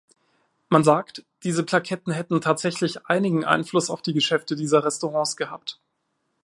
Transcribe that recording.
Man sagt, diese Plaketten hätten tatsächlich einigen Einfluss auf die Geschäfte dieser Restaurants gehabt.